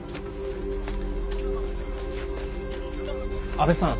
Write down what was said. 阿部さん。